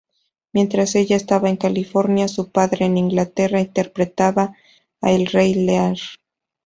Mientras ella estaba en California, su padre, en Inglaterra, interpretaba a "El rey Lear".